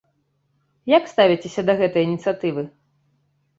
Як ставіцеся да гэтай ініцыятывы?